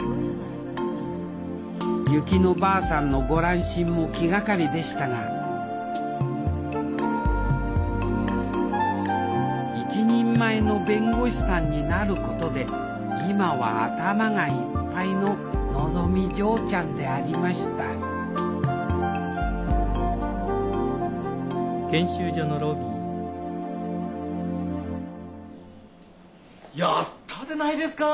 薫乃ばあさんのご乱心も気がかりでしたが一人前の弁護士さんになることで今は頭がいっぱいののぞみ嬢ちゃんでありましたやったでないですか！